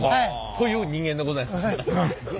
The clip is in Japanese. という人間でございます。